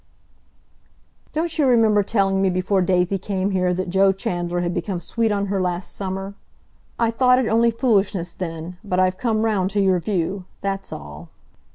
"Don't you remember telling me before Daisy came here that Joe Chandler had become sweet on her last summer? I thought it only foolishness then, but I've come round to your view—that's all."